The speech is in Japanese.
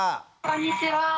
こんにちは。